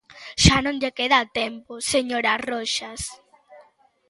Xa non lle queda tempo, señora Roxas.